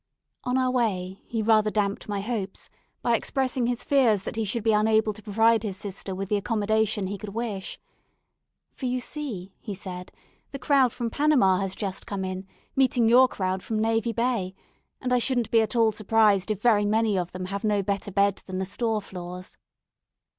On our way, he rather damped my hopes by expressing his fears that he should be unable to provide his sister with the accommodation he could wish. For you see, he said, the crowd from Panama has just come in, meeting your crowd from Navy Bay; and I shouldn't be at all surprised if very many of them have no better bed than the store floors.